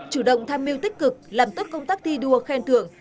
chủ động tham mưu tích cực làm tốt công tác thi đua khen thưởng